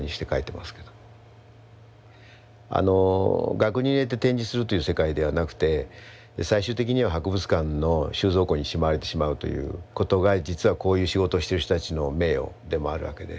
額に入れて展示するという世界ではなくて最終的には博物館の収蔵庫にしまわれてしまうということが実はこういう仕事をしてる人たちの名誉でもあるわけで。